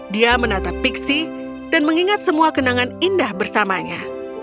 dia menatap pixi dan mengingat semua kenangan indah bersamanya